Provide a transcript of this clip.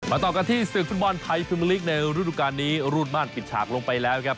มาต่อกันที่สื่อคุณบอลไทยพรีเมอร์ลีกในรูดุการณ์นี้รูดม่านปิดฉากลงไปแล้วครับ